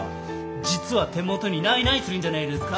実は手元にないないするんじゃねえですか？